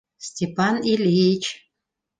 Степан Ильич...